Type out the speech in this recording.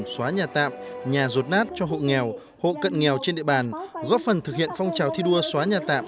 xóa nhà tạm nhà rột nát cho hộ nghèo hộ cận nghèo trên địa bàn góp phần thực hiện phong trào thi đua xóa nhà tạm